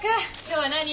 今日は何？